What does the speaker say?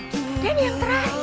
dia nih yang terakhir